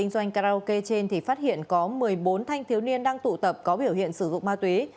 doanh karaoke trên thì phát hiện có một mươi bốn thanh thiếu niên đang tụ tập có biểu hiện sử dụng ma túy